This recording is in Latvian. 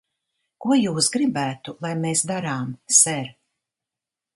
Ko jūs gribētu, lai mēs darām, ser?